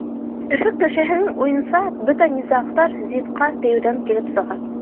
Өфө кешеһенең уйынса, бөтә низағтар зитҡа тейеүҙән килеп сыға.